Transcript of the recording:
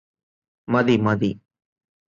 മതി മതി